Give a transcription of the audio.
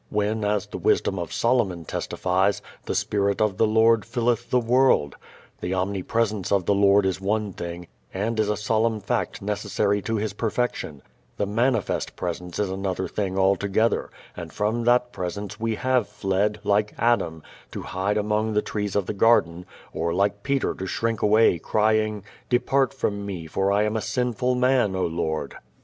when as the wisdom of Solomon testifies, "the Spirit of the Lord filleth the world?" The omnipresence of the Lord is one thing, and is a solemn fact necessary to His perfection; the manifest Presence is another thing altogether, and from that Presence we have fled, like Adam, to hide among the trees of the garden, or like Peter to shrink away crying, "Depart from me, for I am a sinful man, O Lord."